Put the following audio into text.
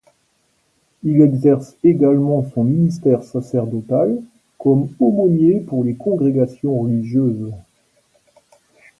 Il exerce également son ministère sacerdotal comme aumônier pour des congrégations religieuses.